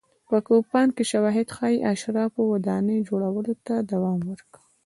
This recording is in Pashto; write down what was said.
په کوپان کې شواهد ښيي اشرافو ودانۍ جوړولو ته دوام ورکاوه.